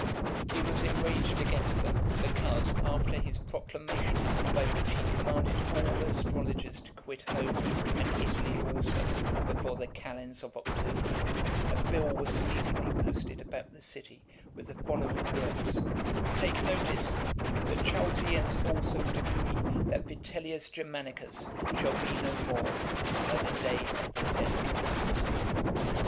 He was enraged against them, because, after his proclamation by which he commanded all astrologers to quit home, and Italy also, before the calends [the first] of October, a bill was immediately posted about the city, with the following words: "TAKE NOTICE: The Chaldaeans also decree that Vitellius Germanicus shall be no more, by the day of the said calends."